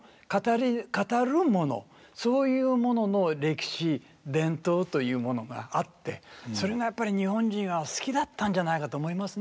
語る物そういうものの歴史伝統というものがあってそれがやっぱり日本人は好きだったんじゃないかと思いますね。